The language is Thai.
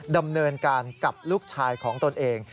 ดำเนินการกับลูกชายของตนเอง